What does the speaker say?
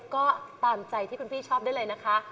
ก็ตามใจที่คุณพี่ชอบได้เลยนะคะ